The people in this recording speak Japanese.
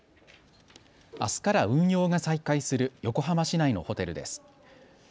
あすから運用が再開する横浜市内のホテルです。